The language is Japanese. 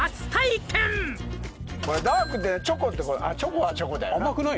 ダークってチョコってチョコはチョコだよな